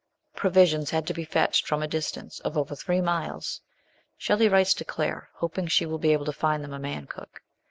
Pro visions had to be fetched from a distance of over three miles. Shelley writes to Claire, hoping she will be able to find them a man cook.